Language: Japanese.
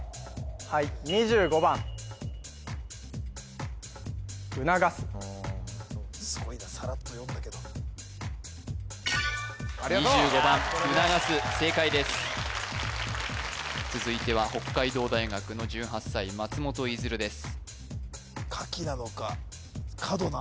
はいすごいなさらっと読んだけどありがとう２５番うながす正解です続いては北海道大学の１８歳松本逸琉です